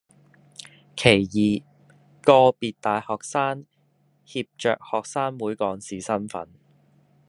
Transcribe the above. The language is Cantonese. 其二，個別大學生挾着學生會幹事身分